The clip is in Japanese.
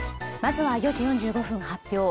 まずは４時４５分発表